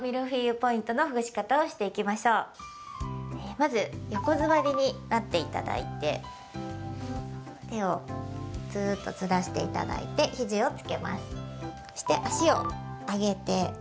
まず横座りになっていただいて手をずーっとずらしていただいて肘をつけます。